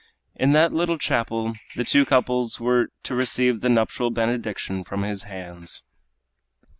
In that little chapel the two couples were to receive the nuptial benediction from his hands.